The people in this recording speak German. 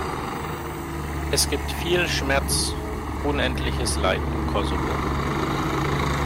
Es gibt viel Schmerz, unendliches Leid im Kosovo.